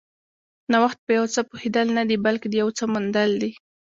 نوښت په یو څه پوهېدل نه دي، بلکې د یو څه موندل دي.